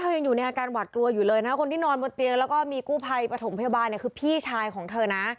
ยังอยู่ในอาการหวัดกลัวอยู่เลยนะคนที่นอนบนเตียงแล้วก็มีกู้ภัยปฐมพยาบาลเนี่ยคือพี่ชายของเธอนะ